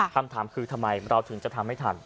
คำถามคือทำไมเราถึงจะทำไม่ทัน